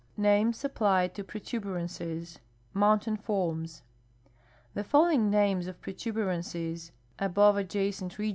NAMES APPLIED TO PROTUBERANCES (MOUNTAIN FORMS) The following names of protuberances above adjacent regions.